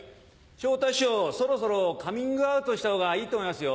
昇太師匠そろそろカミングアウトした方がいいと思いますよ。